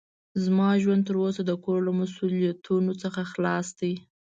زما ژوند تر اوسه د کور له مسوؤليتونو څخه خلاص ده.